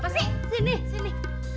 apa sih sini sini